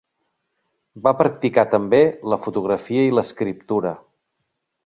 Va practicar també la fotografia i l'escriptura.